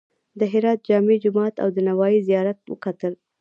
د هرات جامع جومات او د نوایي زیارت وکتل.